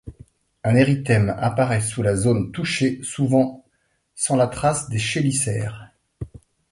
Un érythème apparaît sur la zone touchée, souvent sans la trace des chélicères.